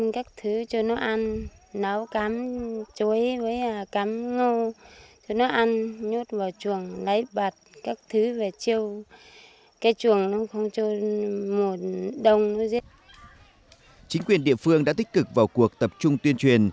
chính quyền địa phương đã tích cực vào cuộc tập trung tuyên truyền